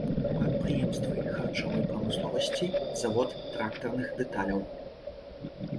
Прадпрыемствы харчовай прамысловасці, завод трактарных дэталяў.